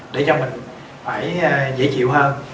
để cho mình phải dễ chịu hơn